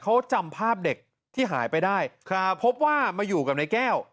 เขาจำภาพเด็กที่หายไปได้ครับพบว่ามาอยู่กับนายแก้ว